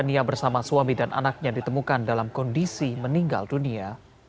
nia bersama suami dan anaknya ditemukan dalam kondisi meninggal dunia